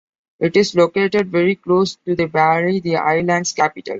It is located very close to The Valley, the island's capital.